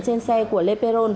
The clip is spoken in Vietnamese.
trên xe của le peron